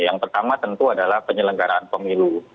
yang pertama tentu adalah penyelenggaraan pemilu